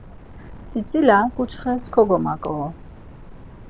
Tzitzila ǩuçxes kogomaǩoru.